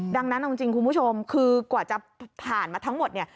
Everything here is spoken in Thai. ดังนั้นเอาจริงคุณผู้ชมคือกว่าจะผ่านมาทั้งหมดเนี่ย